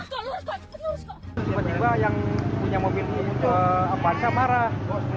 tiba tiba yang punya mobil ini ke apansa marah